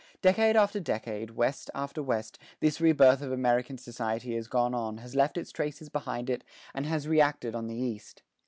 Decade after decade, West after West, this rebirth of American society has gone on, has left its traces behind it, and has reacted on the East.